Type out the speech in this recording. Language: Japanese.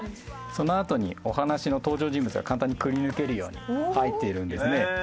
そのあとにお話の登場人物が簡単にくりぬけるように入っているんですね。